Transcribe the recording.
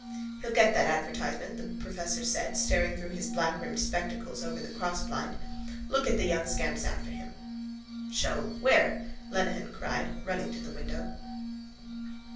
—He'll get that advertisement, the professor said, staring through his blackrimmed spectacles over the crossblind. Look at the young scamps after him. —Show. Where? Lenehan cried, running to the window.